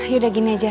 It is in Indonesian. yaudah gini aja